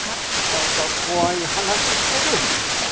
また怖い話してる！